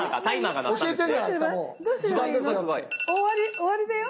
終わりだよ。